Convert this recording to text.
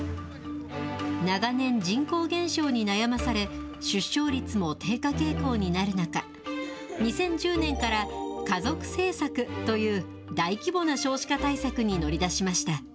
長年、人口減少に悩まされ、出生率も低下傾向になる中、２０１０年から、家族政策という大規模な少子化対策に乗り出しました。